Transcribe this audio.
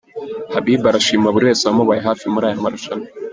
Habiba arashima buri wese wamuhaye hafi muri aya marushanwa.